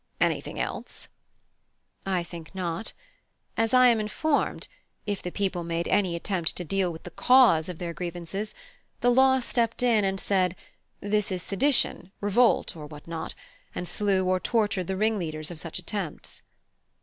(H.) Anything else? (I) I think not. As I am informed, if the people made any attempt to deal with the cause of their grievances, the law stepped in and said, this is sedition, revolt, or what not, and slew or tortured the ringleaders of such attempts.